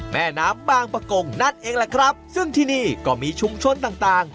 แม่น้ำบางประกงนั่นเองแหละครับซึ่งที่นี่ก็มีชุมชนต่างต่าง